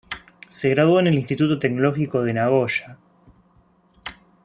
Se graduó en el Instituto tecnológico de Nagoya.